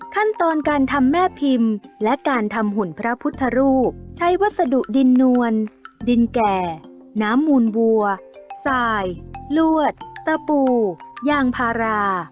ขั้นตอนการทำแม่พิมพ์และการทำหุ่นพระพุทธรูปใช้วัสดุดินนวลดินแก่น้ำมูลวัวสายลวดตะปูยางพารา